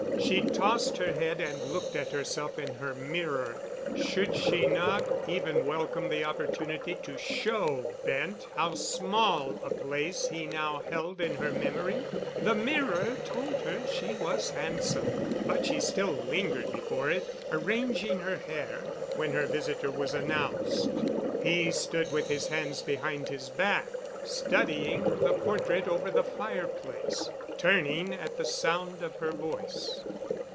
She tossed her head and looked at herself in her mirror. Should she not even welcome the opportunity to show Bent how small a place he now held in her memory? The mirror told her she was handsome, but she still lingered before it, arranging her hair, when her visitor was announced. He stood with his hands behind his back studying the portrait over the fireplace, turning at the sound of her voice.